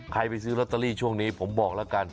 ใครไปซื้อโรตเตอรีช่วงนี้ผมบอกละกัน